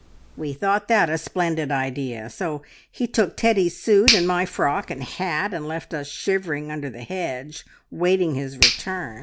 "We thought that a splendid idea, so he took Teddy's suit, and my frock and hat, and left us shivering under the hedge waiting his return.